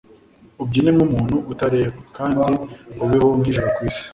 ubyine nk'umuntu utareba, kandi ubeho nk'ijuru ku isi.